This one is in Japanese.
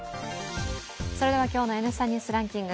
今日の「Ｎスタ・ニュースランキング」